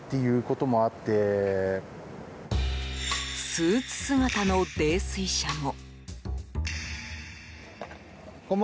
スーツ姿の泥酔者も。